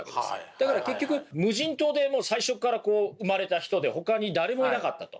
だから結局無人島で最初から生まれた人でほかに誰もいなかったと。